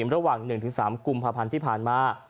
ระหว่าง๑๓กุมภาพันธ์ที่ผ่านมา